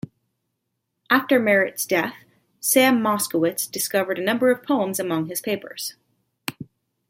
After Merritt's death, Sam Moskowitz discovered a number of poems among his papers.